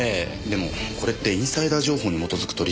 でもこれってインサイダー情報に基づく取引ですよね。